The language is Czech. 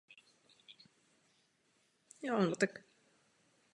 Nyní nám celý proces trvá již sedm let.